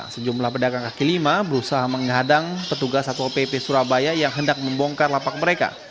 sejumlah pedagang kaki lima berusaha menghadang petugas satpol pp surabaya yang hendak membongkar lapak mereka